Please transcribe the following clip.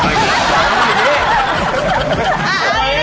โอเคดี